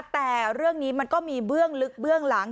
แต่เรื่องนี้มันก็มีเบื้องลึกเบื้องหลัง